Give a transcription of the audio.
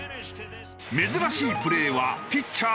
珍しいプレーはピッチャー